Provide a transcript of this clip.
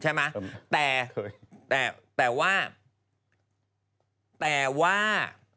ใช่ไหมแต่แต่ว่าแต่ว่า